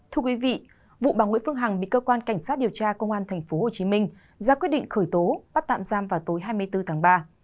thưa quý vị vụ bà nguyễn phương hằng bị cơ quan cảnh sát điều tra công an tp hcm ra quyết định khởi tố bắt tạm giam vào tối hai mươi bốn tháng ba